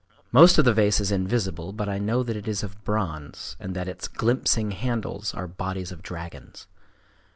Most of the vase is invisible, but I know that it is of bronze, and that its glimpsing handles are bodies of dragons.